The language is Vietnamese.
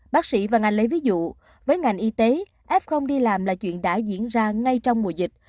bác sĩ và ngành lấy ví dụ với ngành y tế f đi làm là chuyện đã diễn ra ngay trong mùa dịch